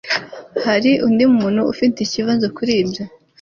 Hari undi muntu ufite ikibazo kuri ibyo